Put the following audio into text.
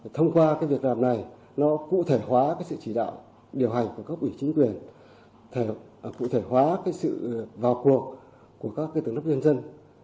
thông qua việc làm này nó cụ thể hóa sự chỉ đạo điều hành của các ủy chính quyền cụ thể hóa sự vào cuộc của các tướng đốc dân